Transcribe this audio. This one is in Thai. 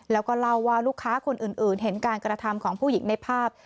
แล้วก็เล่าว่าลูกค้าคนอื่นเห็นการกระทำของผู้หญิงในภาพ